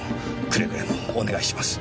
くれぐれもお願いします。